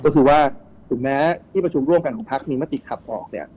ก็คือว่าถึงแม้ที่ประชุมร่วมกันของพักมีมติขับออกเนี่ย